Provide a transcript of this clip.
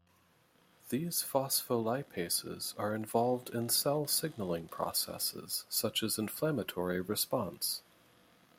These phospholipases are involved in cell signaling processes, such as inflammatory response.